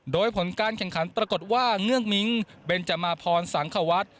โดยผลการแข่งขันปรากฏว่าเงื่องมิ้งเบนจมาพรสังควัฒน์